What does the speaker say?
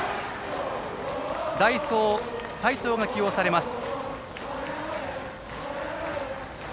代走、齊藤が起用されます。